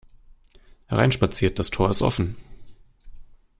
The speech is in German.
Hereinspaziert, das Tor ist offen!